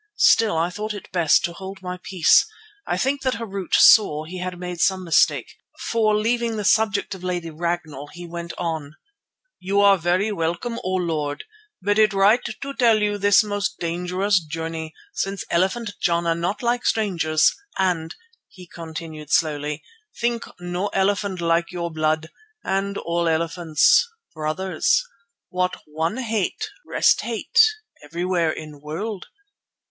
Still I thought it best to hold my peace. I think that Harût saw he had made some mistake, for leaving the subject of Lady Ragnall, he went on: "You very welcome, O Lord, but it right tell you this most dangerous journey, since elephant Jana not like strangers, and," he continued slowly, "think no elephant like your blood, and all elephants brothers. What one hate rest hate everywhere in world.